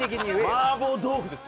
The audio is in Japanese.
麻婆豆腐ですよ。